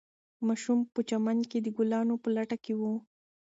ماشوم په چمن کې د ګلانو په لټه کې و.